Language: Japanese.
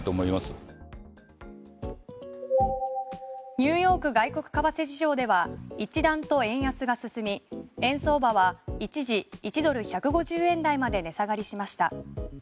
ニューヨーク外国為替市場では一段と円安が進み円相場は一時１ドル＝１５０円台まで値下がりしました。